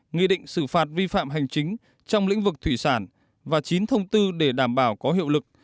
nghị định xử phạt vi phạm hành chính trong lĩnh vực thủy sản và chín thông tư để đảm bảo có hiệu lực